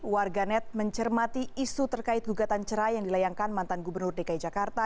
warganet mencermati isu terkait gugatan cerai yang dilayangkan mantan gubernur dki jakarta